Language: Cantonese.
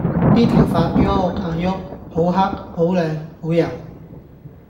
啲頭髮郁啊郁，好黑！好靚！好柔！